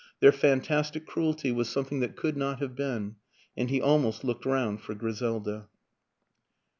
Their fantastic cruelty was something that could not have been ... and he almost looked round for Griselda.